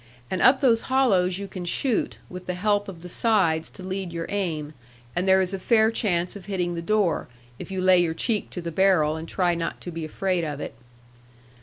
And up those hollows you can shoot, with the help of the sides to lead your aim, and there is a fair chance of hitting the door, if you lay your cheek to the barrel, and try not to be afraid of it.